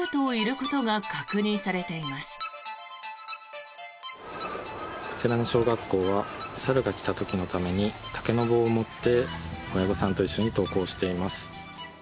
こちらの小学校は猿が来た時のために竹の棒を持って親御さんと一緒に登校しています。